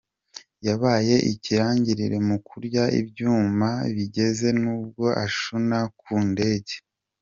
Yabaye ikirangirire mu kurya ibyuma, bigeza n’ubwo ashuna ku ndege